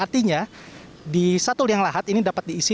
artinya di satu liang lahat ini dapat diisi